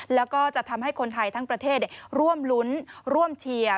แล้วก็จะทำให้คนไทยทั้งประเทศร่วมลุ้นร่วมเชียร์